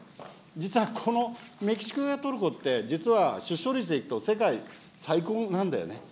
実はこれ、メキシコやトルコって、出生率でいくと世界最高なんだよね。